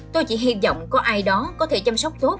tôi chỉ hy vọng có ai đó có thể chăm sóc tốt